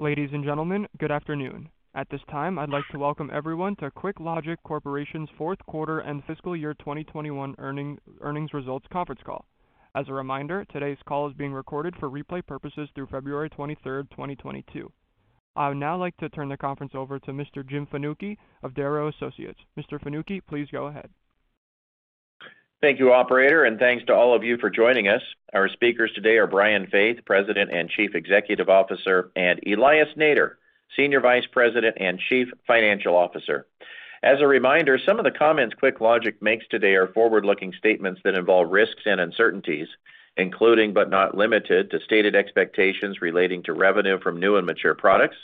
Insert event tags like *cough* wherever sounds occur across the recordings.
Ladies and gentlemen, good afternoon. At this time, I'd like to welcome everyone to QuickLogic Corporation's Q4 and Fiscal Year 2021 Earnings Results Conference Call. As a reminder, today's call is being recorded for replay purposes through February 23, 2022. I would now like to turn the conference over to Mr. Jim Fanucchi of Darrow Associates. Mr. Fanucchi, please go ahead. Thank you, operator, and thanks to all of you for joining us. Our speakers today are Brian Faith, President and Chief Executive Officer, and Elias Nader, Senior Vice President and Chief Financial Officer. As a reminder, some of the comments QuickLogic makes today are forward-looking statements that involve risks and uncertainties, including but not limited to stated expectations relating to revenue from new and mature products,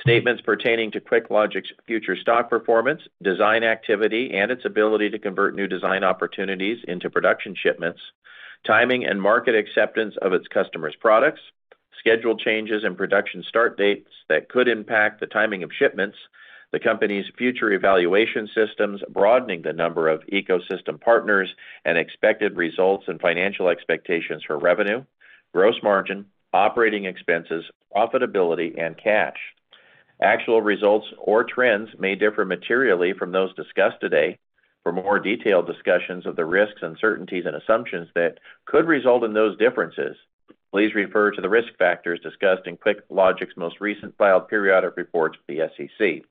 statements pertaining to QuickLogic's future stock performance, design activity, and its ability to convert new design opportunities into production shipments, timing and market acceptance of its customers' products, scheduled changes and production start dates that could impact the timing of shipments, the company's future evaluation systems, broadening the number of ecosystem partners, and expected results and financial expectations for revenue, gross margin, operating expenses, profitability, and cash. Actual results or trends may differ materially from those discussed today. For more detailed discussions of the risks, uncertainties, and assumptions that could result in those differences, please refer to the risk factors discussed in QuickLogic's most recent filed periodic reports with the SEC.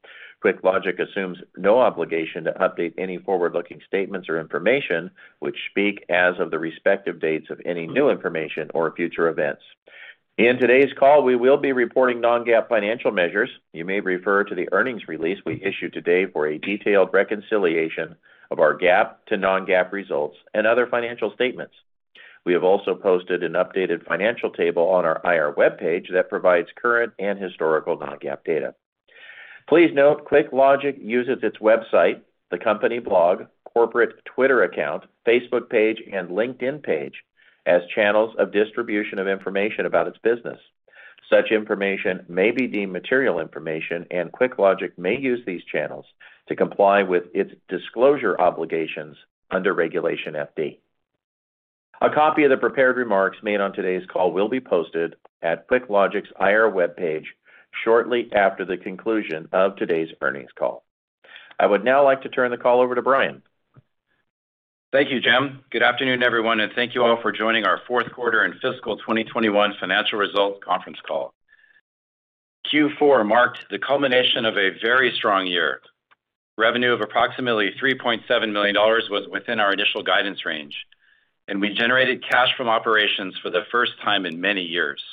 QuickLogic assumes no obligation to update any forward-looking statements or information which speak as of the respective dates of any new information or future events. In today's call, we will be reporting non-GAAP financial measures. You may refer to the earnings release we issued today for a detailed reconciliation of our GAAP to non-GAAP results and other financial statements. We have also posted an updated financial table on our IR webpage that provides current and historical non-GAAP data. Please note, QuickLogic uses its website, the company blog, corporate Twitter account, Facebook page, and LinkedIn page as channels of distribution of information about its business. Such information may be deemed material information, and QuickLogic may use these channels to comply with its disclosure obligations under Regulation FD. A copy of the prepared remarks made on today's call will be posted at QuickLogic's IR webpage shortly after the conclusion of today's earnings call. I would now like to turn the call over to Brian. Thank you, Jim. Good afternoon, everyone, and thank you all for joining our Q4 and fiscal 2021 financial results conference call. Q4 marked the culmination of a very strong year. Revenue of approximately $3.7 million was within our initial guidance range, and we generated cash from operations for the first time in many years.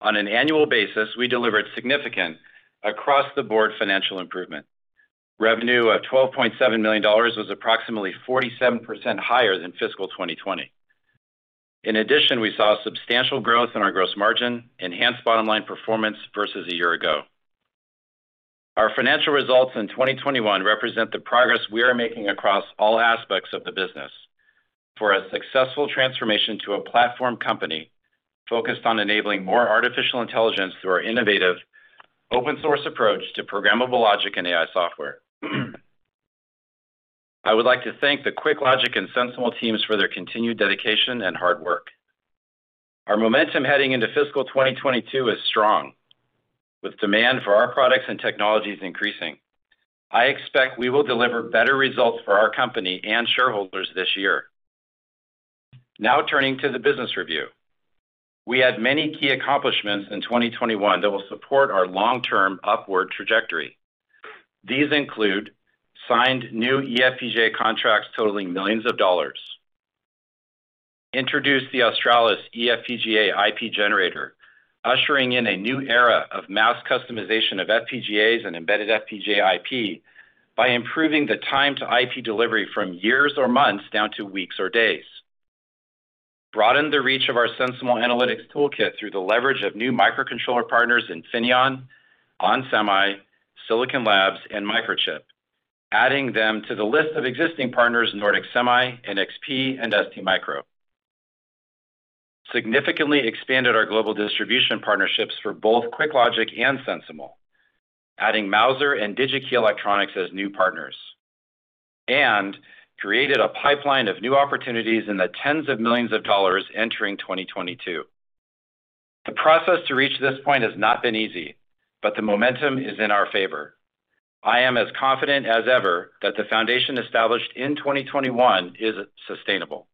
On an annual basis, we delivered significant across-the-board financial improvement. Revenue of $12.7 million was approximately 47% higher than fiscal 2020. In addition, we saw substantial growth in our gross margin, enhanced bottom line performance versus a year ago. Our financial results in 2021 represent the progress we are making across all aspects of the business for a successful transformation to a platform company focused on enabling more artificial intelligence through our innovative open source approach to programmable logic and AI software. I would like to thank the QuickLogic and SensiML teams for their continued dedication and hard work. Our momentum heading into fiscal 2022 is strong, with demand for our products and technologies increasing. I expect we will deliver better results for our company and shareholders this year. Now turning to the business review. We had many key accomplishments in 2021 that will support our long-term upward trajectory. These include we signed new eFPGA contracts totaling millions of dollars. We introduced the Australis eFPGA IP generator, ushering in a new era of mass customization of FPGAs and embedded FPGA IP by improving the time to IP delivery from years or months down to weeks or days. We broadened the reach of our SensiML Analytics Toolkit through the leverage of new microcontroller partners Infineon, onsemi, Silicon Labs, and Microchip, adding them to the list of existing partners Nordic Semi, NXP, and STMicro. Significantly expanded our global distribution partnerships for both QuickLogic and SensiML, adding Mouser and DigiKey Electronics as new partners, and created a pipeline of new opportunities in the tens of millions of dollars entering 2022. The process to reach this point has not been easy, but the momentum is in our favor. I am as confident as ever that the foundation established in 2021 is sustainable.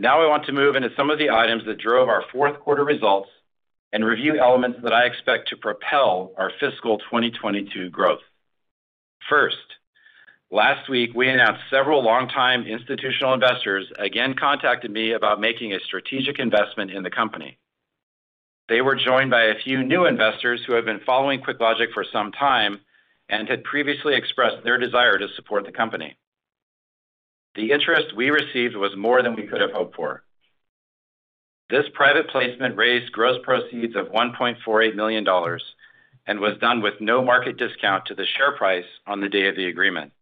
Now I want to move into some of the items that drove our Q4 results and review elements that I expect to propel our fiscal 2022 growth. First, last week, we announced several longtime institutional investors again contacted me about making a strategic investment in the company. They were joined by a few new investors who have been following QuickLogic for some time and had previously expressed their desire to support the company. The interest we received was more than we could have hoped for. This private placement raised gross proceeds of $1.48 million and was done with no market discount to the share price on the day of the agreement.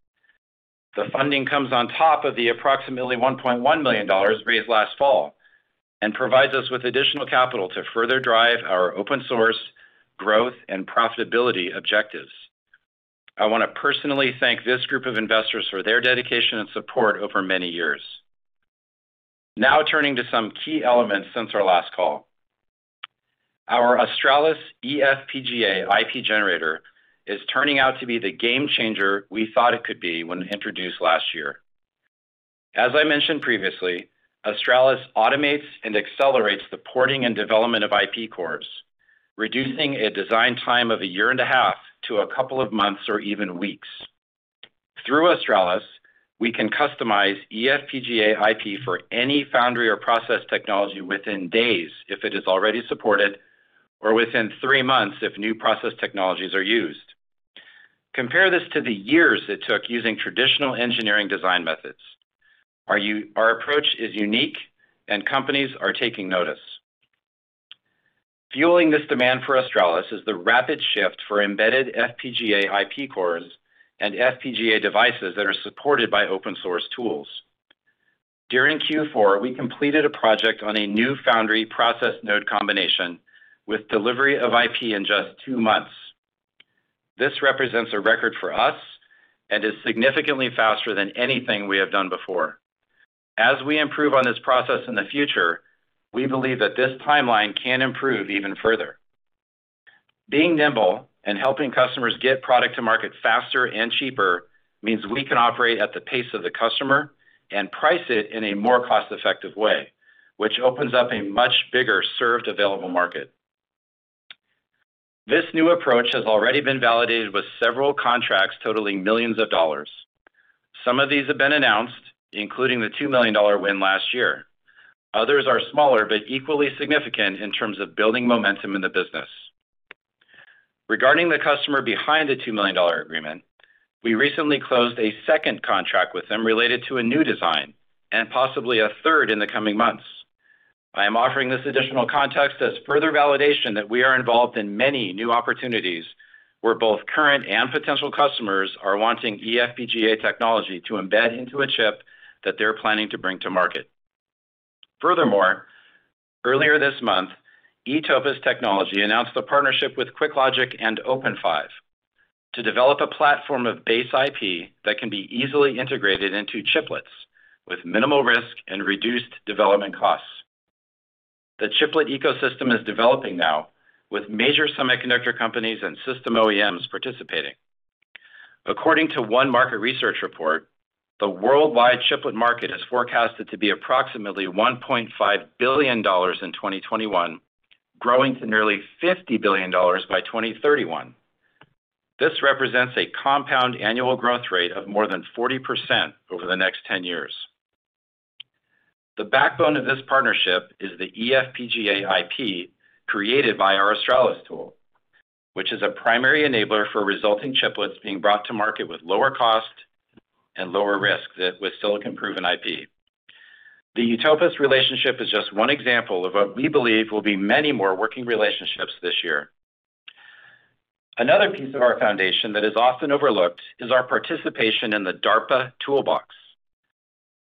The funding comes on top of the approximately $1.1 million raised last fall and provides us with additional capital to further drive our open source growth and profitability objectives. I want to personally thank this group of investors for their dedication and support over many years. Now turning to some key elements since our last call. Our Australis eFPGA IP generator is turning out to be the game changer we thought it could be when introduced last year. As I mentioned previously, Australis automates and accelerates the porting and development of IP cores, reducing a design time of a year and a half to a couple of months or even weeks. Through Australis, we can customize eFPGA IP for any foundry or process technology within days if it is already supported or within three months if new process technologies are used. Compare this to the years it took using traditional engineering design methods. Our approach is unique and companies are taking notice. Fueling this demand for Australis is the rapid shift for embedded FPGA IP cores and FPGA devices that are supported by open source tools. During Q4, we completed a project on a new foundry process node combination with delivery of IP in just two months. This represents a record for us and is significantly faster than anything we have done before. As we improve on this process in the future, we believe that this timeline can improve even further. Being nimble and helping customers get product to market faster and cheaper means we can operate at the pace of the customer and price it in a more cost-effective way, which opens up a much bigger serviceable available market. This new approach has already been validated with several contracts totaling millions of dollars. Some of these have been announced, including the $2 million win last year. Others are smaller but equally significant in terms of building momentum in the business. Regarding the customer behind the $2 million agreement, we recently closed a second contract with them related to a new design and possibly a third in the coming months. I am offering this additional context as further validation that we are involved in many new opportunities where both current and potential customers are wanting eFPGA technology to embed into a chip that they're planning to bring to market. Furthermore, earlier this month, eTopus Technology announced a partnership with QuickLogic and OpenFive to develop a platform of base IP that can be easily integrated into chiplets with minimal risk and reduced development costs. The chiplet ecosystem is developing now with major semiconductor companies and system OEMs participating. According to one market research report, the worldwide chiplet market is forecasted to be approximately $1.5 billion in 2021, growing to nearly $50 billion by 2031. This represents a compound annual growth rate of more than 40% over the next ten years. The backbone of this partnership is the eFPGA IP created by our Australis tool, which is a primary enabler for resulting chiplets being brought to market with lower cost and lower risk with silicon-proven IP. The eTopus relationship is just one example of what we believe will be many more working relationships this year. Another piece of our foundation that is often overlooked is our participation in the DARPA Toolbox.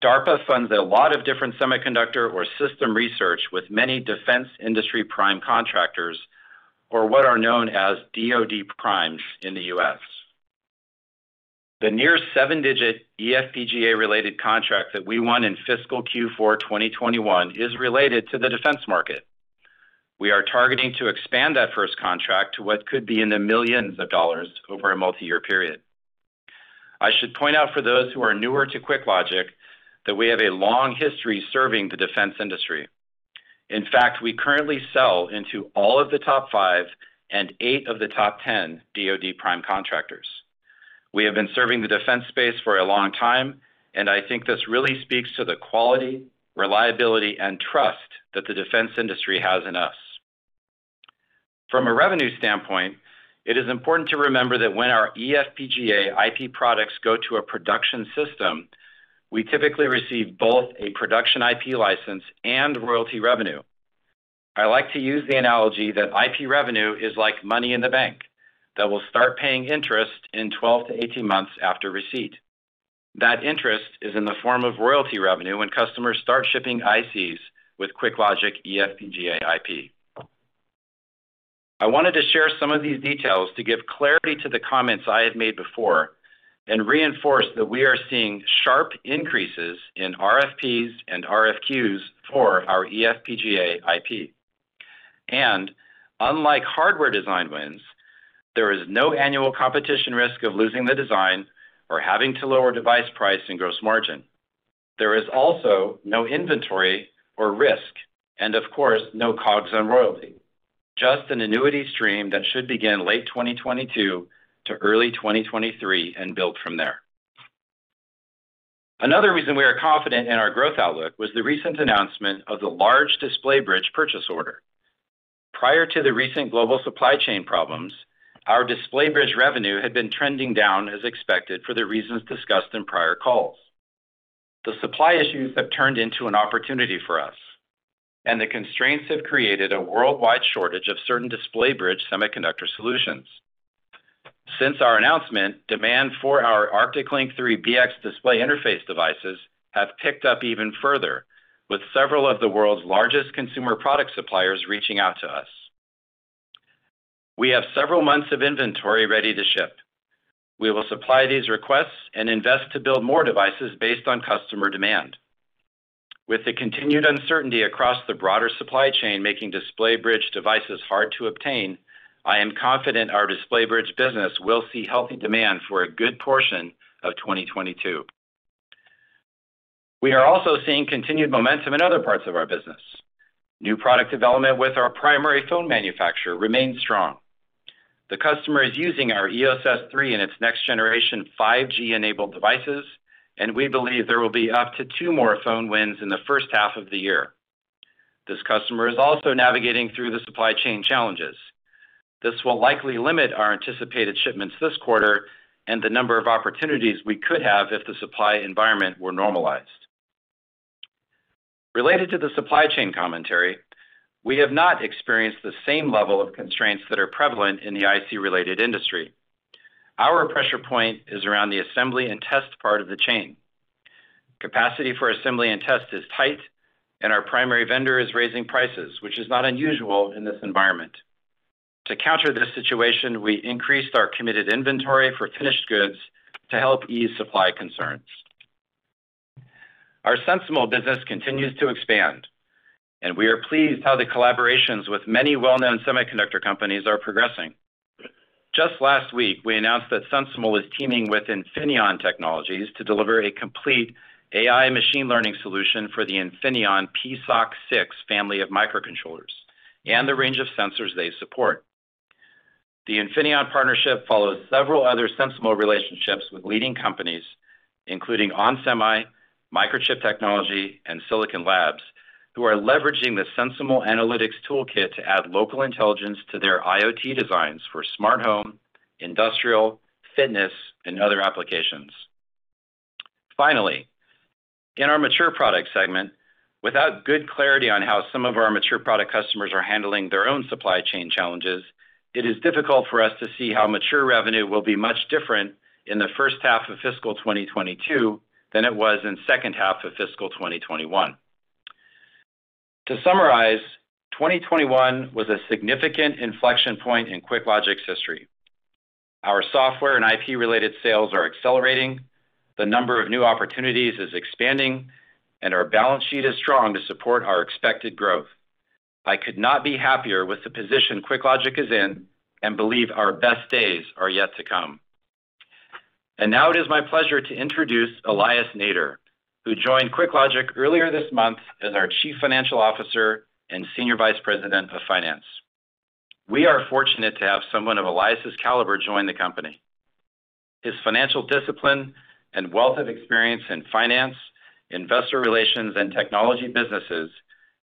DARPA funds a lot of different semiconductor or system research with many defense industry prime contractors, or what are known as DoD primes in the U.S. The near seven-digit eFPGA-related contract that we won in fiscal Q4 2021 is related to the defense market. We are targeting to expand that first contract to what could be in a millions of dollars over a multi-year period. I should point out for those who are newer to QuickLogic that we have a long history serving the defense industry. In fact, we currently sell into all of the top five and eight of the top 10 DoD prime contractors. We have been serving the defense space for a long time, and I think this really speaks to the quality, reliability, and trust that the defense industry has in us. From a revenue standpoint, it is important to remember that when our eFPGA IP products go to a production system, we typically receive both a production IP license and royalty revenue. I like to use the analogy that IP revenue is like money in the bank that will start paying interest in 12-18 months after receipt. That interest is in the form of royalty revenue when customers start shipping ICs with QuickLogic eFPGA IP. I wanted to share some of these details to give clarity to the comments I have made before and reinforce that we are seeing sharp increases in RFPs and RFQs for our eFPGA IP. Unlike hardware design wins, there is no annual competition risk of losing the design or having to lower device price and gross margin. There is also no inventory or risk and, of course, no COGS on royalty, just an annuity stream that should begin late 2022 to early 2023 and build from there. Another reason we are confident in our growth outlook was the recent announcement of the large display bridge purchase order. Prior to the recent global supply chain problems, our display bridge revenue had been trending down as expected for the reasons discussed in prior calls. The supply issues have turned into an opportunity for us, and the constraints have created a worldwide shortage of certain display bridge semiconductor solutions. Since our announcement, demand for our ArcticLink III BX display interface devices have picked up even further, with several of the world's largest consumer product suppliers reaching out to us. We have several months of inventory ready to ship. We will supply these requests and invest to build more devices based on customer demand. With the continued uncertainty across the broader supply chain making display bridge devices hard to obtain, I am confident our display bridge business will see healthy demand for a good portion of 2022. We are also seeing continued momentum in other parts of our business. New product development with our primary phone manufacturer remains strong. The customer is using our EOS S3 in its next generation 5G-enabled devices, and we believe there will be up to two more phone wins in the first half of the year. This customer is also navigating through the supply chain challenges. This will likely limit our anticipated shipments this quarter and the number of opportunities we could have if the supply environment were normalized. Related to the supply chain commentary, we have not experienced the same level of constraints that are prevalent in the IC related industry. Our pressure point is around the assembly and test part of the chain. Capacity for assembly and test is tight and our primary vendor is raising prices, which is not unusual in this environment. To counter this situation, we increased our committed inventory for finished goods to help ease supply concerns. Our SensiML business continues to expand, and we are pleased how the collaborations with many well-known semiconductor companies are progressing. Just last week, we announced that SensiML is teaming with Infineon Technologies to deliver a complete AI machine learning solution for the Infineon PSoC 6 family of microcontrollers and the range of sensors they support. The Infineon partnership follows several other SensiML relationships with leading companies including onsemi, Microchip Technology, and Silicon Labs, who are leveraging the SensiML Analytics Toolkit to add local intelligence to their IoT designs for smart home, industrial, fitness, and other applications. Finally, in our mature product segment, without good clarity on how some of our mature product customers are handling their own supply chain challenges, it is difficult for us to see how mature revenue will be much different in the first half of fiscal 2022 than it was in second half of fiscal 2021. To summarize, 2021 was a significant inflection point in QuickLogic's history. Our software and IP related sales are accelerating, the number of new opportunities is expanding, and our balance sheet is strong to support our expected growth. I could not be happier with the position QuickLogic is in and believe our best days are yet to come. Now it is my pleasure to introduce Elias Nader, who joined QuickLogic earlier this month as our Chief Financial Officer and Senior Vice President of Finance. We are fortunate to have someone of Elias' caliber join the company. His financial discipline and wealth of experience in finance, investor relations, and technology businesses,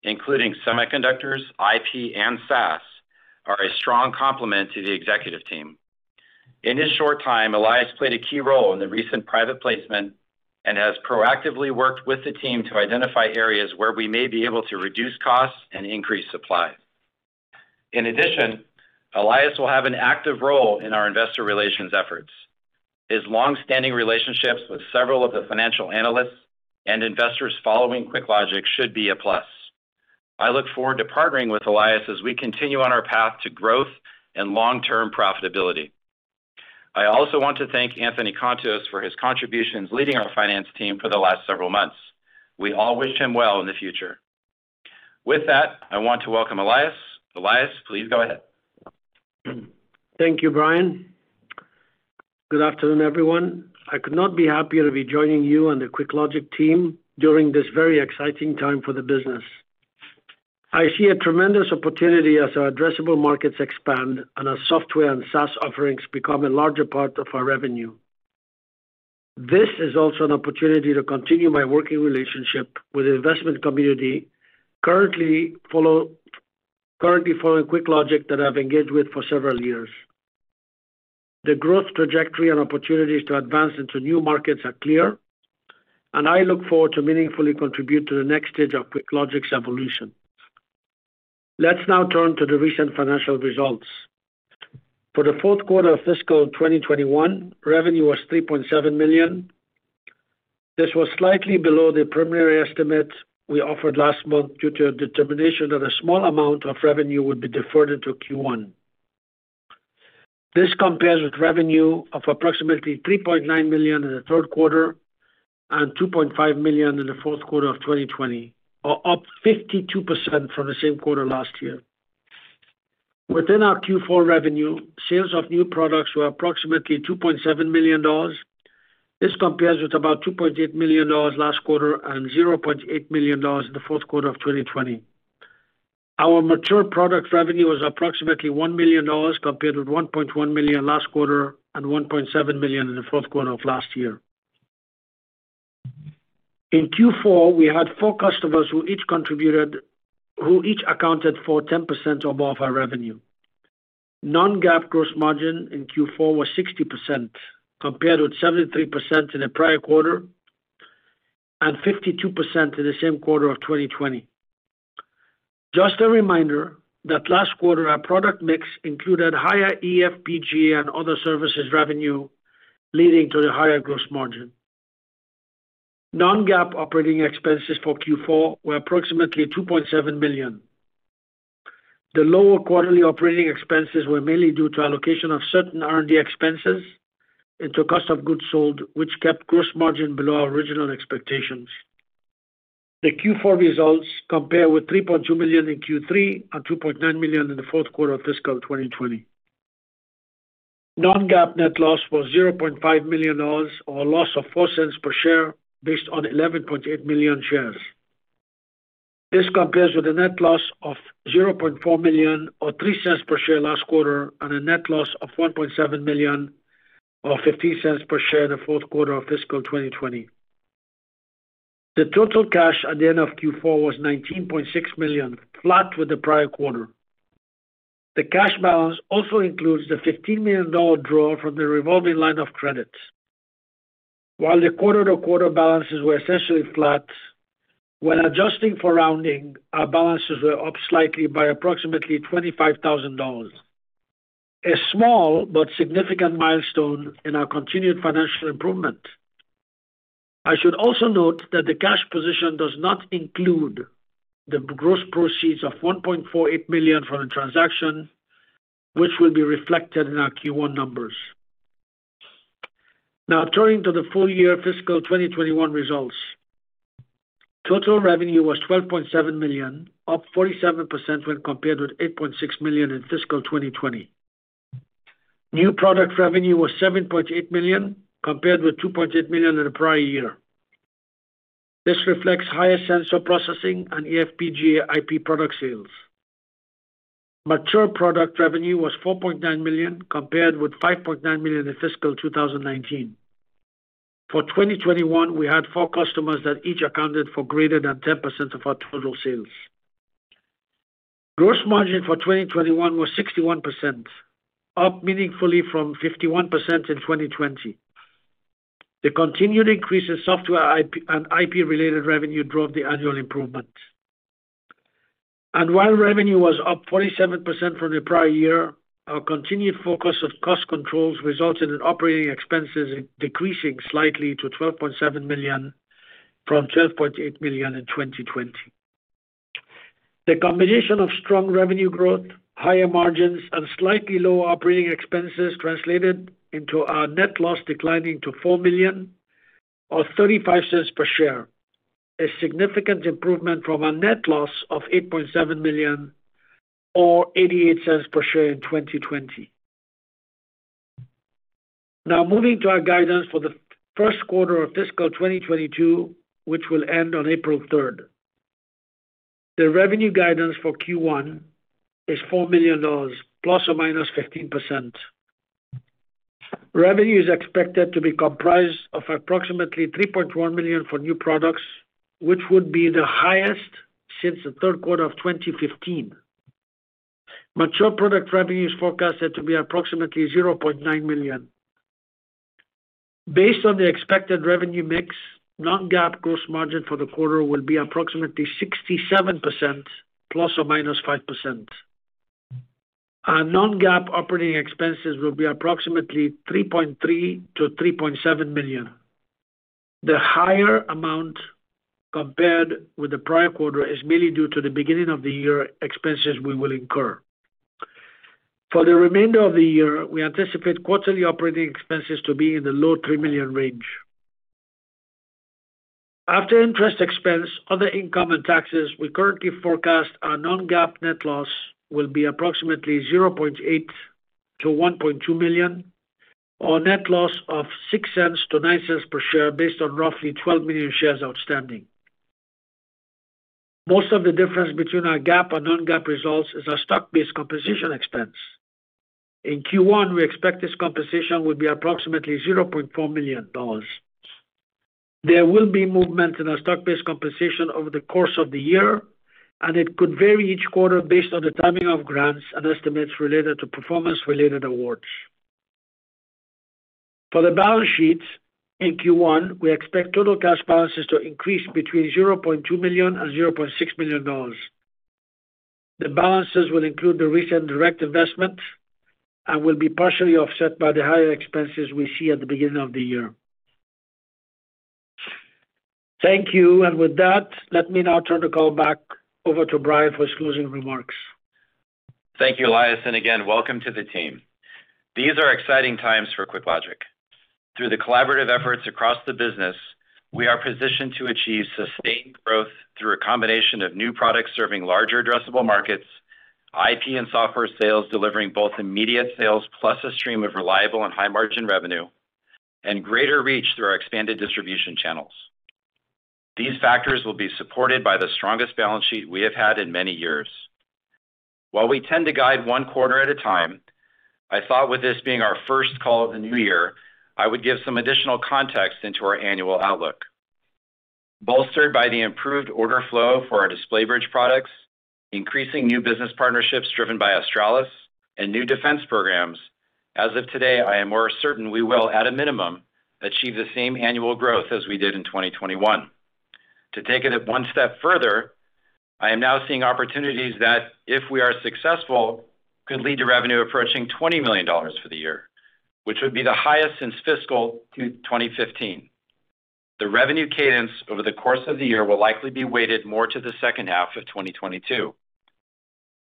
including semiconductors, IP, and SaaS, are a strong complement to the executive team. In his short time, Elias played a key role in the recent private placement and has proactively worked with the team to identify areas where we may be able to reduce costs and increase supply. In addition, Elias will have an active role in our investor relations efforts. His long-standing relationships with several of the financial analysts and investors following QuickLogic should be a plus. I look forward to partnering with Elias as we continue on our path to growth and long-term profitability. I also want to thank Anthony Contos for his contributions leading our finance team for the last several months. We all wish him well in the future. With that, I want to welcome Elias. Elias, please go ahead. Thank you, Brian. Good afternoon, everyone. I could not be happier to be joining you and the QuickLogic team during this very exciting time for the business. I see a tremendous opportunity as our addressable markets expand and our software and SaaS offerings become a larger part of our revenue. This is also an opportunity to continue my working relationship with the investment community currently following QuickLogic that I've engaged with for several years. The growth trajectory and opportunities to advance into new markets are clear, and I look forward to meaningfully contribute to the next stage of QuickLogic's evolution. Let's now turn to the recent financial results. For the Q4 of fiscal 2021, revenue was $3.7 million. This was slightly below the preliminary estimate we offered last month due to a determination that a small amount of revenue would be deferred into Q1. This compares with revenue of approximately $3.9 million in the Q3 and $2.5 million in the Q4 of 2020, or up 52% from the same quarter last year. Within our Q4 revenue, sales of new products were approximately $2.7 million. This compares with about $2.8 million last quarter and $0.8 million in the Q4 of 2020. Our mature product revenue was approximately $1 million, compared with $1.1 million last quarter and $1.7 million in the Q4 of last year. In Q4, we had four customers who each accounted for 10% or more of our revenue. Non-GAAP gross margin in Q4 was 60%, compared with 73% in the prior quarter and 52% in the same quarter of 2020. Just a reminder that last quarter, our product mix included higher eFPGA and other services revenue, leading to the higher gross margin. Non-GAAP operating expenses for Q4 were approximately $2.7 million. The lower quarterly operating expenses were mainly due to allocation of certain R&D expenses into cost of goods sold, which kept gross margin below our original expectations. The Q4 results compare with $3.2 million in Q3 and $2.9 million in the Q4 of fiscal 2020. Non-GAAP net loss was $0.5 million or a loss of $0.04 per share based on 11.8 million shares. This compares with a net loss of $0.4 million or $0.03 per share last quarter, or a net loss of $1.7 million or $0.15 per share in the Q4 of fiscal 2020. The total cash at the end of Q4 was $19.6 million, flat with the prior quarter. The cash balance also includes the $15 million draw from the revolving line of credit. While the quarter to quarter balances were essentially flat, when adjusting for rounding, our balances were up slightly by approximately $25,000. A small but significant milestone in our continued financial improvement. I should also note that the cash position does not include the gross proceeds of $1.48 million from the transaction, which will be reflected in our Q1 numbers. Now turning to the full year fiscal 2021 results. Total revenue was $12.7 million, up 47% when compared with $8.6 million in fiscal 2020. New product revenue was $7.8 million, compared with $2.8 million in the prior year. This reflects higher sensor processing and eFPGA IP product sales. Mature product revenue was $4.9 million, compared with $5.9 million in fiscal 2019. For 2021, we had four customers that each accounted for greater than 10% of our total sales. Gross margin for 2021 was 61%, up meaningfully from 51% in 2020. The continued increase in software IP and IP-related revenue drove the annual improvement. While revenue was up 47% from the prior year, our continued focus on cost controls resulted in operating expenses decreasing slightly to $12.7 million from $12.8 million in 2020. The combination of strong revenue growth, higher margins, and slightly lower operating expenses translated into our net loss declining to $4 million or $0.35 per share, a significant improvement from our net loss of $8.7 million or $0.88 per share in 2020. Now moving to our guidance for the first quarter of fiscal 2022, which will end on April 3. The revenue guidance for Q1 is $4 million ±15%. Revenue is expected to be comprised of approximately $3.1 million for new products, which would be the highest since the third quarter of 2015. Mature product revenue is forecasted to be approximately $0.9 million. Based on the expected revenue mix, non-GAAP gross margin for the quarter will be approximately 67% ±5%. Our non-GAAP operating expenses will be approximately $3.3 million to $3.7 million. The higher amount compared with the prior quarter is mainly due to the beginning of the year expenses we will incur. For the remainder of the year, we anticipate quarterly operating expenses to be in the low $3 million range. After interest expense, other income and taxes, we currently forecast our non-GAAP net loss will be approximately $0.8 million to $1.2 million or a net loss of $0.06 to $0.09 per share based on roughly 12 million shares outstanding. Most of the difference between our GAAP and non-GAAP results is our stock-based compensation expense. In Q1, we expect this compensation will be approximately $0.4 million. There will be movement in our stock-based compensation over the course of the year, and it could vary each quarter based on the timing of grants and estimates related to performance-related awards. For the balance sheets in Q1, we expect total cash balances to increase between $0.2 million and $0.6 million. The balances will include the recent direct investment and will be partially offset by the higher expenses we see at the beginning of the year. Thank you. With that, let me now turn the call back over to Brian for his closing remarks. Thank you, Elias, and again, welcome to the team. These are exciting times for QuickLogic. Through the collaborative efforts across the business, we are positioned to achieve sustained growth through a combination of new products serving larger addressable markets, IP and software sales delivering both immediate sales plus a stream of reliable and high-margin revenue, and greater reach through our expanded distribution channels. These factors will be supported by the strongest balance sheet we have had in many years. While we tend to guide one quarter at a time, I thought with this being our first call of the new year, I would give some additional context into our annual outlook. Bolstered by the improved order flow for our display bridge products, increasing new business partnerships driven by Australis and new defense programs, as of today, I am more certain we will, at a minimum, achieve the same annual growth as we did in 2021. To take it one step further, I am now seeing opportunities that, if we are successful, could lead to revenue approaching $20 million for the year, which would be the highest since fiscal 2015. The revenue cadence over the course of the year will likely be weighted more to the second half of 2022.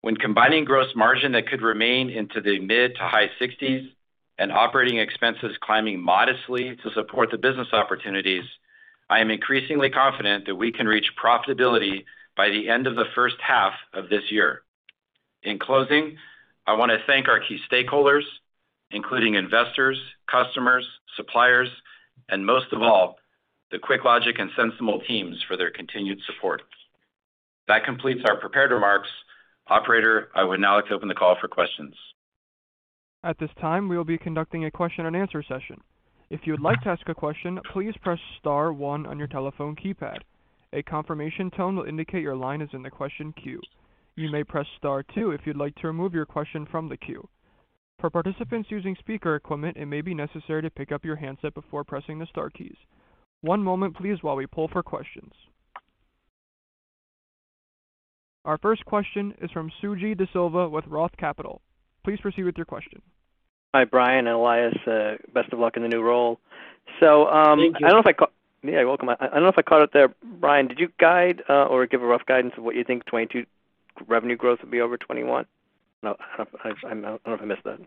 When combining gross margin that could remain into the mid- to high 60s% and operating expenses climbing modestly to support the business opportunities, I am increasingly confident that we can reach profitability by the end of the first half of this year. In closing, I wanna thank our key stakeholders, including investors, customers, suppliers, and most of all, the QuickLogic and SensiML teams for their continued support. That completes our prepared remarks. Operator, I would now like to open the call for questions. At this time we will be conducting a Question and Answer session, if you'd like to ask a question please press star one on your telephone keypad. A confirmation tone indicate your line is in the question queue. You may press star two if you like to remove your question from the queue. For participants using speaker comment it maybe necessary to pick up your handset before pressing the star key. One moment please while we pull our questions. Our first question is from Suji De Silva with Roth Capital. Please proceed with your question. Hi, Brian and Elias, best of luck in the new role. Thank you. Yeah, you're welcome. I don't know if I caught it there. Brian, did you guide or give a rough guidance of what you think 2022 revenue growth will be over 2021? No, I don't know if I missed that.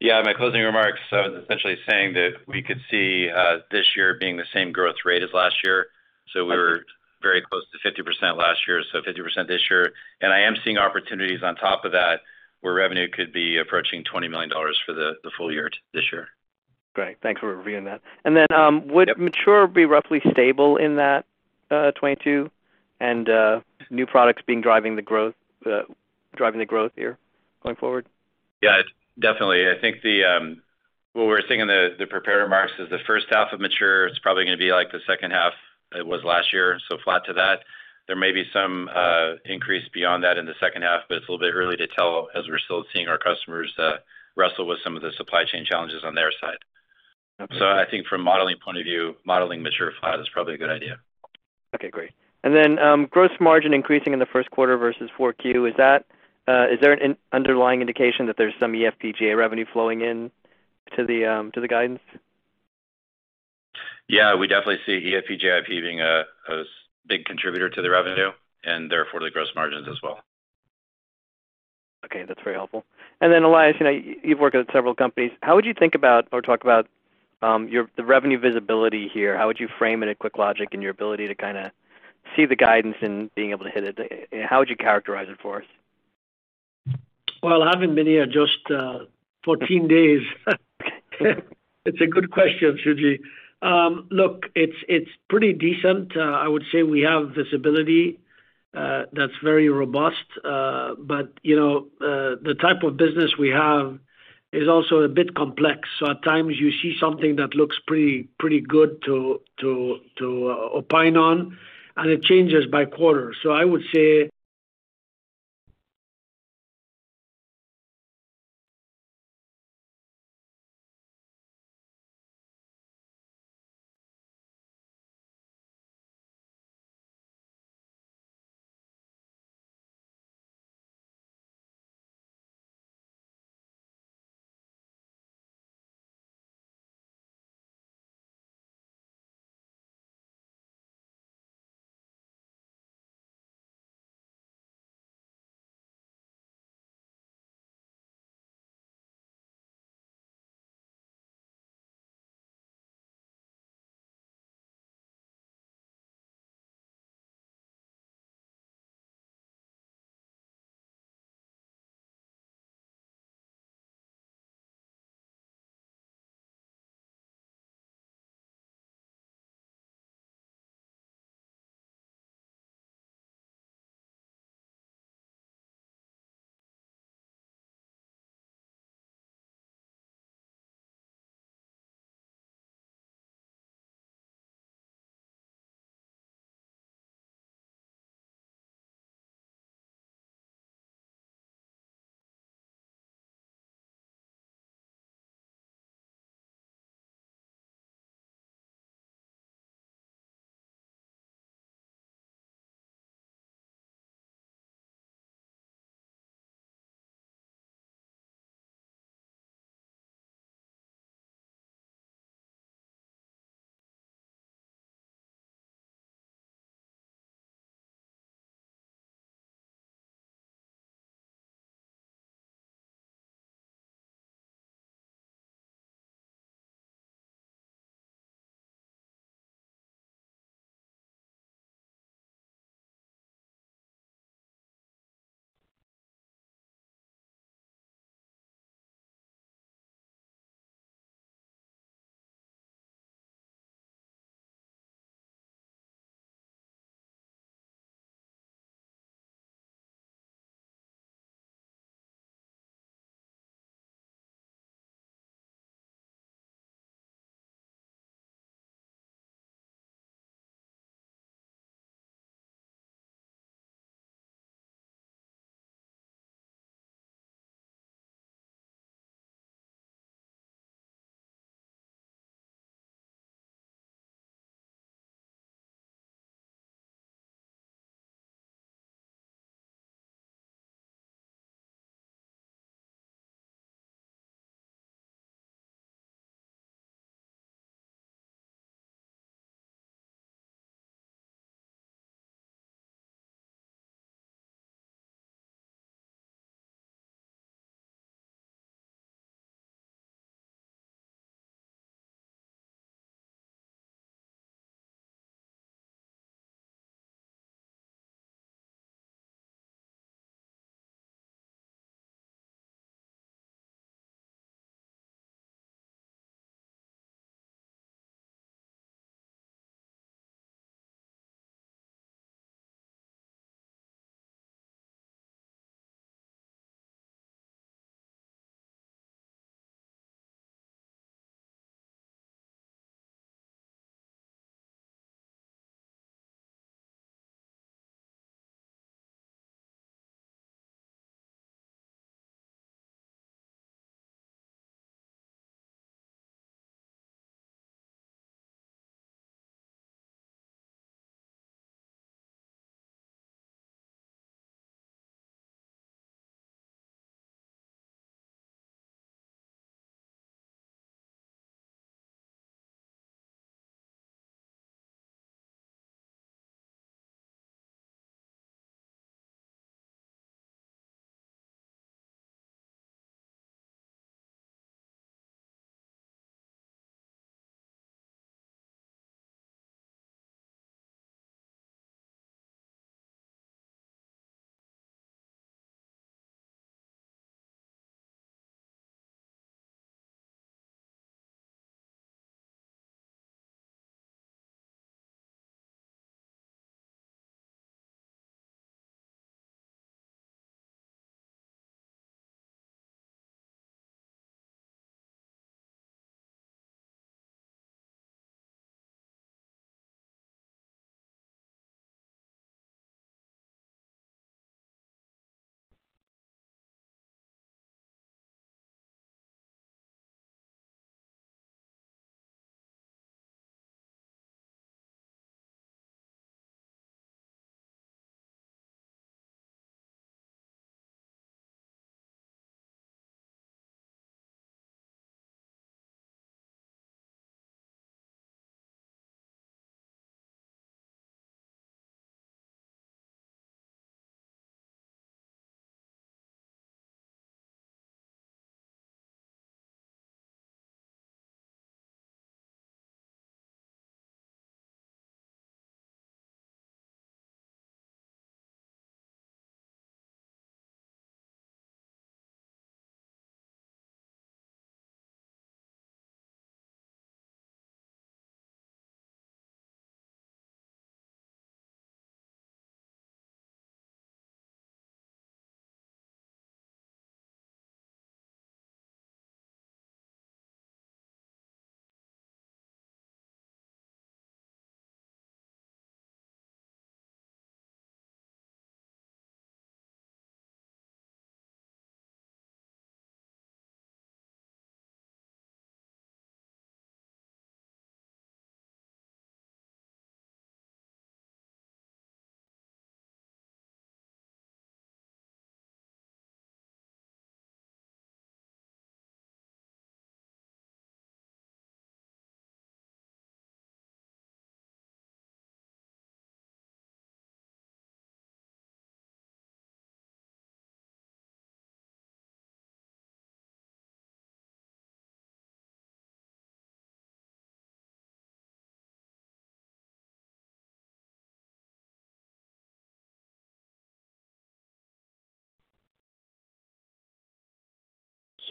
Yeah, my closing remarks, I was essentially saying that we could see this year being the same growth rate as last year. We were very close to 50% last year, so 50% this year. I am seeing opportunities on top of that, where revenue could be approaching $20 million for the full year this year. Great. Thanks for reviewing that. Would mature be roughly stable in that 2022 and new products being driving the growth here going forward? Yeah, definitely. I think what we're seeing in the prepared remarks is the first half of mature is probably gonna be like the second half it was last year, so flat to that. There may be some increase beyond that in the second half, but it's a little bit early to tell as we're still seeing our customers wrestle with some of the supply chain challenges on their side. Okay. I think from a modeling point of view, modeling mature flat is probably a good idea. Okay, great. Gross margin increasing in the Q1 versus 4Q, is there an underlying indication that there's some eFPGA revenue flowing in to the guidance? Yeah, we definitely see eFPGA IP being a big contributor to the revenue and therefore the gross margins as well. Okay, that's very helpful. Elias, you know, you've worked at several companies. How would you think about or talk about the revenue visibility here? How would you frame it at QuickLogic and your ability to kinda see the guidance and being able to hit it? How would you characterize it for us? Well, having been here just 14 days, it's a good question, Suji. Look, it's pretty decent. I would say we have visibility that's very robust. You know, the type of business we have is also a bit complex. At times you see something that looks pretty good to opine on, and it changes by quarter. I would say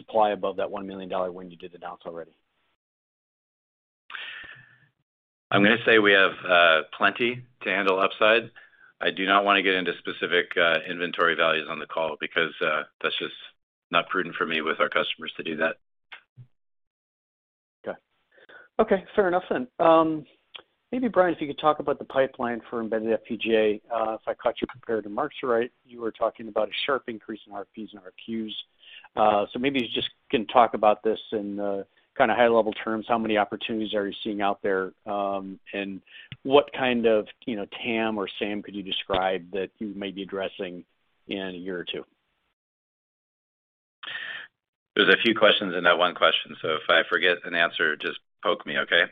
*audio distortion* Supply above that $1 million when you did the downsell already. I'm gonna say we have plenty to handle upside. I do not wanna get into specific inventory values on the call because that's just not prudent for me with our customers to do that. Okay. Okay, fair enough then. Maybe, Brian, if you could talk about the pipeline for embedded FPGA. If I caught your prepared in March right, you were talking about a sharp increase in RFPs and RFQs. Maybe you just can talk about this in kind of high-level terms. How many opportunities are you seeing out there, and what kind of, you know, TAM or SAM could you describe that you may be addressing in a year or two? There's a few questions in that one question, so if I forget an answer, just poke me, okay?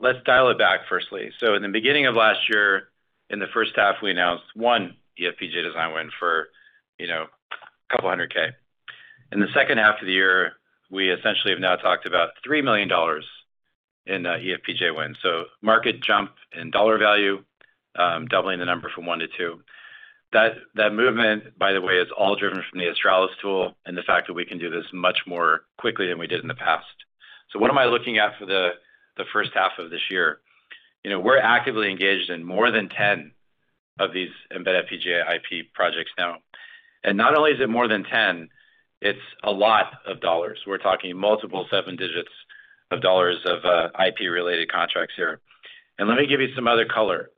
Let's dial it back firstly. In the beginning of last year, in the H1, we announced one eFPGA design win for, you know, a couple hundred K. In the H2 of the year, we essentially have now talked about $3 million in eFPGA wins. Market jumped in dollar value, doubling the number from one to two. That movement, by the way, is all driven from the Australis tool and the fact that we can do this much more quickly than we did in the past. What am I looking at for the H1 of this year? You know, we're actively engaged in more than 10 of these embedded FPGA IP projects now. Not only is it more than 10, it's a lot of dollars. We're talking multiple seven digits of dollars of IP-related contracts here. Let me give you some other color.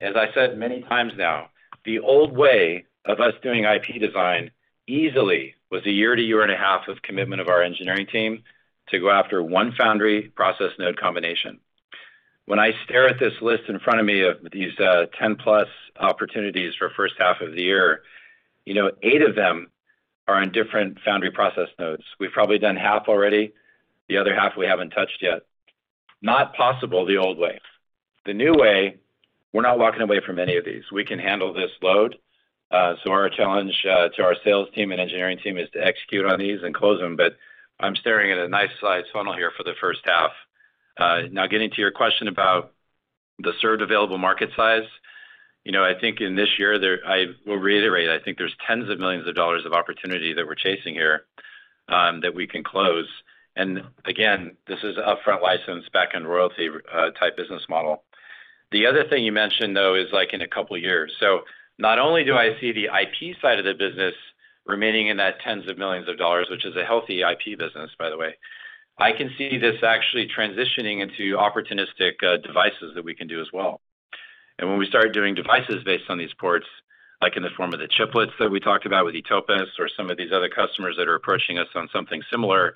As I said many times now, the old way of us doing IP design easily was a year to a year and a half of commitment of our engineering team to go after one foundry process node combination. When I stare at this list in front of me of these 10+ opportunities for H1 of the year, you know, eight of them are on different foundry process nodes. We've probably done half already, the other half we haven't touched yet. Not possible the old way. The new way, we're not walking away from any of these. We can handle this load. Our challenge to our sales team and engineering team is to execute on these and close them, but I'm staring at a nice sales funnel here for the first half. Now getting to your question about the served available market size. You know, I think in this year I will reiterate, I think there's tens of million of dollars of opportunity that we're chasing here, that we can close. Again, this is upfront license, backend royalty, type business model. The other thing you mentioned, though, is like in a couple of years. Not only do I see the IP side of the business remaining in that tens of million of dollars, which is a healthy IP business, by the way, I can see this actually transitioning into opportunistic, devices that we can do as well. When we start doing devices based on these ports, like in the form of the chiplets that we talked about with eTopus or some of these other customers that are approaching us on something similar,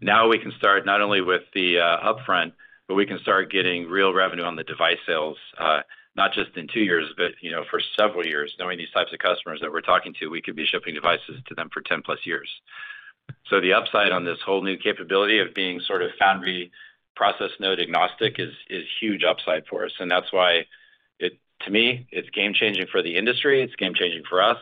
now we can start not only with the upfront, but we can start getting real revenue on the device sales, not just in two years, but, you know, for several years. Knowing these types of customers that we're talking to, we could be shipping devices to them for 10+ years. The upside on this whole new capability of being sort of foundry process node agnostic is huge upside for us. That's why it to me, it's game changing for the industry, it's game changing for us,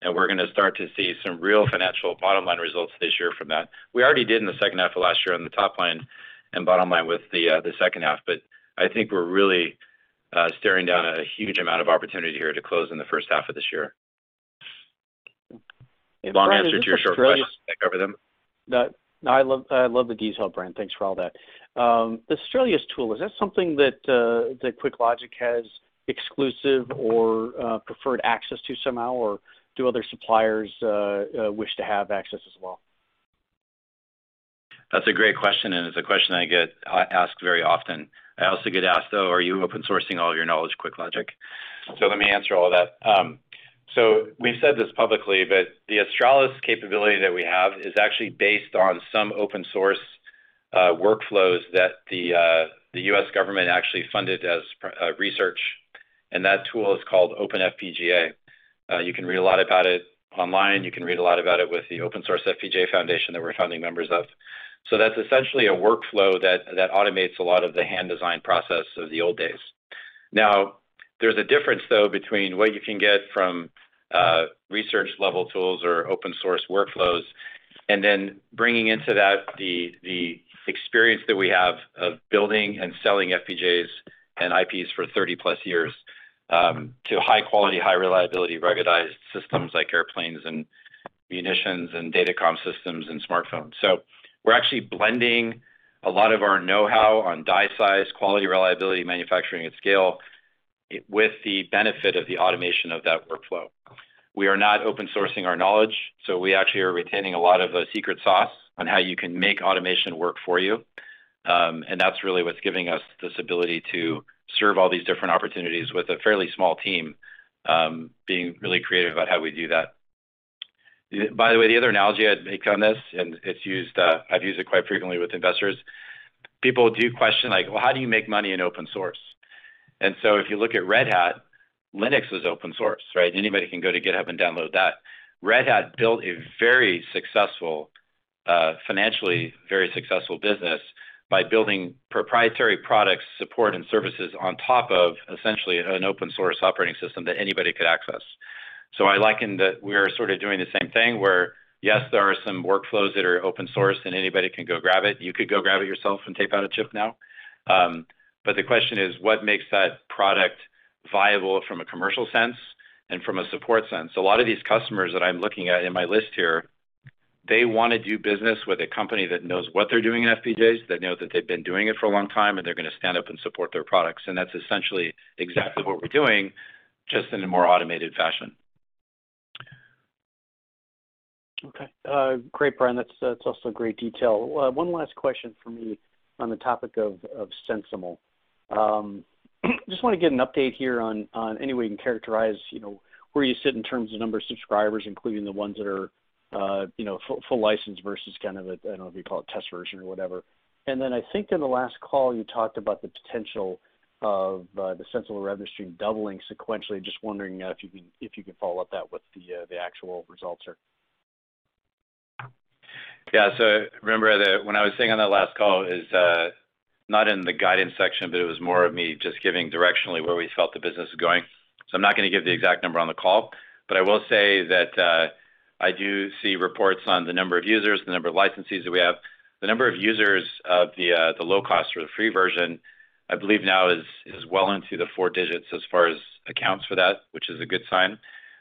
and we're gonna start to see some real financial bottom line results this year from that. We already did in the H2 of last year on the top line and bottom line with the H2. I think we're really staring down a huge amount of opportunity here to close in the H1 of this year. Long answer to your short question. Did that cover them? No, I love the detail, Brian. Thanks for all that. The Australis tool, is that something that QuickLogic has exclusive or preferred access to somehow? Or do other suppliers wish to have access as well? That's a great question, and it's a question I get asked very often. I also get asked, though, are you open sourcing all your knowledge, QuickLogic? Let me answer all that. We've said this publicly, but the Australis capability that we have is actually based on some open source workflows that the U.S. government actually funded as research, and that tool is called OpenFPGA. You can read a lot about it online. You can read a lot about it with the Open Source FPGA Foundation that we're founding members of. That's essentially a workflow that automates a lot of the hand design process of the old days. Now, there's a difference though between what you can get from research-level tools or open source workflows, and then bringing into that the experience that we have of building and selling FPGAs and IPs for 30+ years to high quality, high reliability, ruggedized systems like airplanes and munitions and datacom systems and smartphones. We're actually blending a lot of our know-how on die size, quality, reliability, manufacturing at scale, with the benefit of the automation of that workflow. We are not open sourcing our knowledge, so we actually are retaining a lot of the secret sauce on how you can make automation work for you. That's really what's giving us this ability to serve all these different opportunities with a fairly small team, being really creative about how we do that. By the way, the other analogy I'd make on this, and it's used, I've used it quite frequently with investors. People do question like, "Well, how do you make money in open source?" If you look at Red Hat, Linux is open source, right? Anybody can go to GitHub and download that. Red Hat built a very successful, financially very successful business by building proprietary products, support and services on top of essentially an open source operating system that anybody could access. I liken that we are sort of doing the same thing, where, yes, there are some workflows that are open source and anybody can go grab it. You could go grab it yourself and tape out a chip now. But the question is, what makes that product viable from a commercial sense and from a support sense? A lot of these customers that I'm looking at in my list here, they wanna do business with a company that knows what they're doing in FPGAs, that know that they've been doing it for a long time, and they're gonna stand up and support their products. That's essentially exactly what we're doing, just in a more automated fashion. Great, Brian. That's also great detail. One last question from me on the topic of SensiML. Just want to get an update here on any way you can characterize, you know, where you sit in terms of number of subscribers, including the ones that are, you know, full license versus kind of a, I don't know if you'd call it test version or whatever. Then I think in the last call, you talked about the potential of the SensiML revenue stream doubling sequentially. Just wondering if you can follow up on that, what the actual results are. Yeah. Remember when I was saying on that last call is not in the guidance section, but it was more of me just giving directionally where we felt the business was going. I'm not gonna give the exact number on the call, but I will say that I do see reports on the number of users, the number of licensees that we have. The number of users of the low cost or the free version, I believe now is well into the four digits as far as accounts for that, which is a good sign.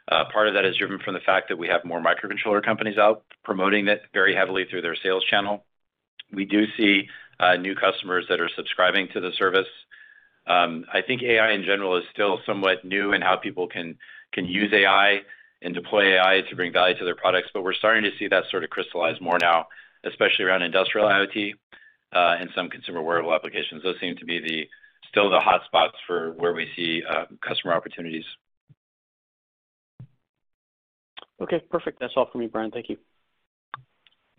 Part of that is driven from the fact that we have more microcontroller companies out promoting it very heavily through their sales channel. We do see new customers that are subscribing to the service. I think AI in general is still somewhat new in how people can use AI and deploy AI to bring value to their products, but we're starting to see that sort of crystallize more now, especially around industrial IoT in some consumer wearable applications. Those seem to be the still the hotspots for where we see customer opportunities. Okay, perfect. That's all for me, Brian. Thank you.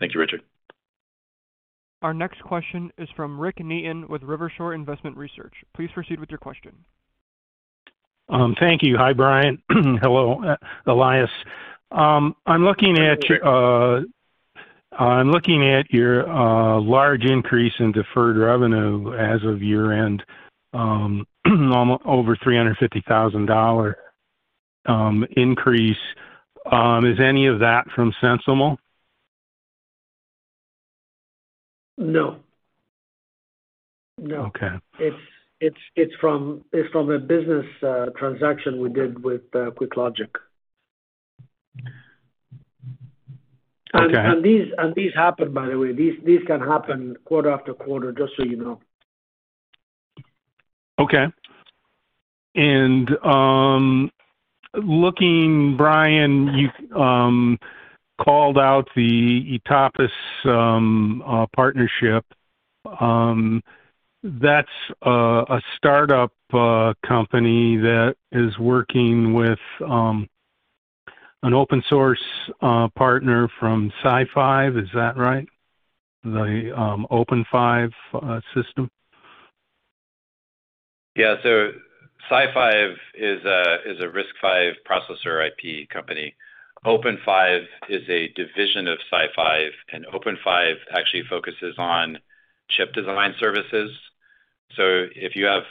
Thank you, Richard. Our next question is from Rick Neaton with Rivershore Investment Research. Please proceed with your question. Thank you. Hi, Brian. Hello, Elias. I'm looking at your I'm looking at your large increase in deferred revenue as of year-end, almost over $350,000 increase. Is any of that from SensiML? No. Okay. It's from a business transaction we did with QuickLogic. Okay. These happen by the way. These can happen quarter after quarter, just so you know. Okay. Looking, Brian, you called out the eTopus partnership. That's a startup company that is working with an open source partner from SiFive, is that right? The OpenFive system. Yeah. SiFive is a RISC-V processor IP company. OpenFive is a division of SiFive, and OpenFive actually focuses on chip design services. If you have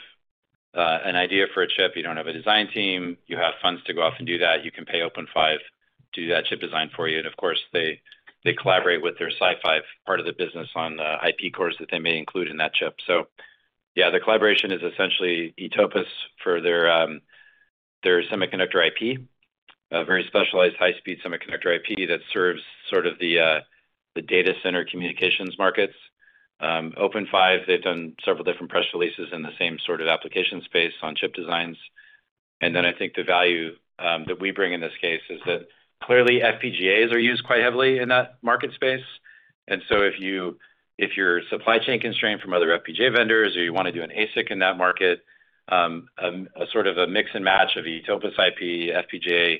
an idea for a chip, you don't have a design team, you have funds to go off and do that, you can pay OpenFive to do that chip design for you. Of course, they collaborate with their SiFive part of the business on the IP cores that they may include in that chip. Yeah, the collaboration is essentially eTopus for their semiconductor IP, a very specialized high-speed semiconductor IP that serves sort of the data center communications markets. OpenFive, they've done several different press releases in the same sort of application space on chip designs. Then I think the value that we bring in this case is that clearly FPGAs are used quite heavily in that market space. If you're supply chain constrained from other FPGA vendors or you wanna do an ASIC in that market, a sort of a mix and match of eTopus IP, FPGA,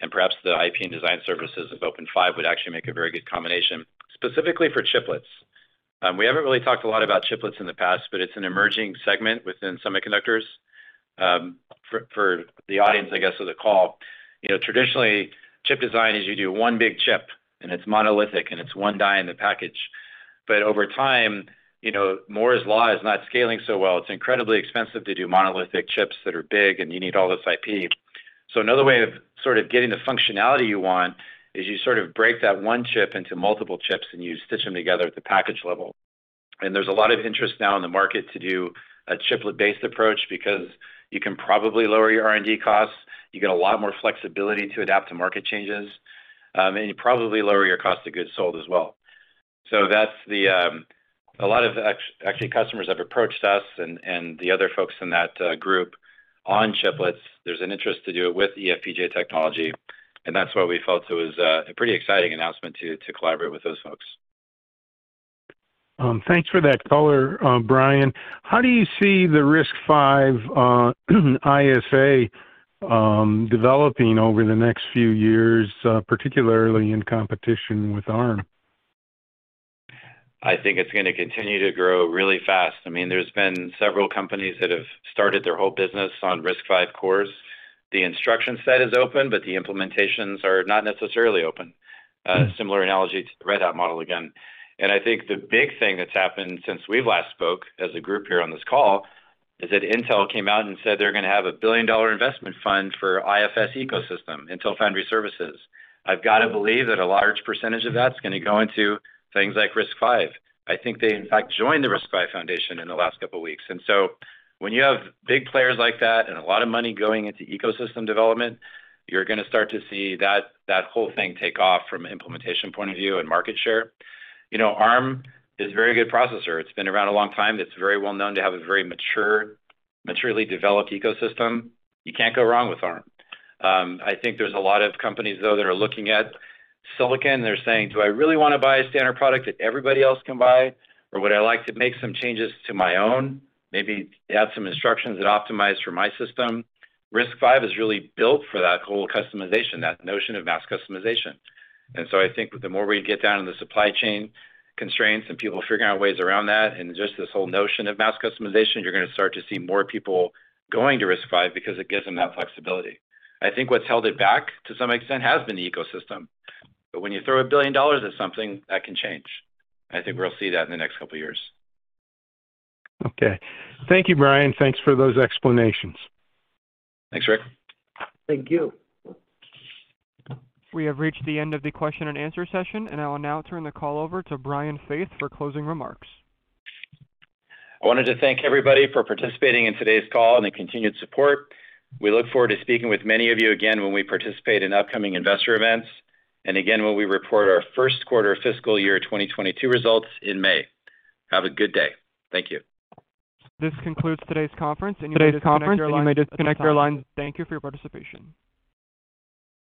and perhaps the IP and design services of OpenFive would actually make a very good combination, specifically for chiplets. We haven't really talked a lot about chiplets in the past, but it's an emerging segment within semiconductors. For the audience, I guess, of the call, you know, traditionally, chip design is you do one big chip, and it's monolithic, and it's one die in the package. Over time, you know, Moore's Law is not scaling so well. It's incredibly expensive to do monolithic chips that are big, and you need all this IP. Another way of sort of getting the functionality you want is you sort of break that one chip into multiple chips, and you stitch them together at the package level. There's a lot of interest now in the market to do a chiplet-based approach because you can probably lower your R&D costs, you get a lot more flexibility to adapt to market changes, and you probably lower your cost of goods sold as well. That's. A lot of actually customers have approached us and the other folks in that group on chiplets. There's an interest to do it with eFPGA technology, and that's why we felt it was a pretty exciting announcement to collaborate with those folks. Thanks for that color, Brian. How do you see the RISC-V ISA developing over the next few years, particularly in competition with Arm? I think it's gonna continue to grow really fast. I mean, there's been several companies that have started their whole business on RISC-V cores. The instruction set is open, but the implementations are not necessarily open. Similar analogy to the Red Hat model again. I think the big thing that's happened since we last spoke as a group here on this call is that Intel came out and said they're gonna have a billion-dollar investment fund for IFS ecosystem, Intel Foundry Services. I've got to believe that a large percentage of that's gonna go into things like RISC-V. I think they, in fact, joined the RISC-V International in the last couple weeks. When you have big players like that and a lot of money going into ecosystem development, you're gonna start to see that whole thing take off from an implementation point of view and market share. You know, Arm is a very good processor. It's been around a long time. It's very well known to have a very maturely developed ecosystem. You can't go wrong with Arm. I think there's a lot of companies, though, that are looking at silicon. They're saying, "Do I really wanna buy a standard product that everybody else can buy? Or would I like to make some changes to my own, maybe add some instructions that optimize for my system?" RISC-V is really built for that whole customization, that notion of mass customization. I think the more we get down in the supply chain constraints and people figuring out ways around that and just this whole notion of mass customization, you're gonna start to see more people going to RISC-V because it gives them that flexibility. I think what's held it back to some extent has been the ecosystem. When you throw $1 billion at something, that can change. I think we'll see that in the next couple years. Okay. Thank you, Brian. Thanks for those explanations. Thanks, Rick. Thank you. We have reached the end of the question and answer session, and I will now turn the call over to Brian Faith for closing remarks. I wanted to thank everybody for participating in today's call and the continued support. We look forward to speaking with many of you again when we participate in upcoming investor events, and again when we report our Q1 fiscal year 2022 results in May. Have a good day. Thank you. This concludes today's conference, and you may disconnect your lines at this time. Thank you for your participation.